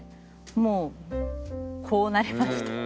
もうこうなりました。